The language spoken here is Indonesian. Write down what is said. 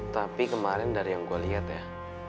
tapi kemarin dari yang gue lihat ya